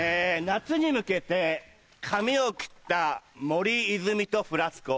夏に向けて髪を切った森泉とフラスコ。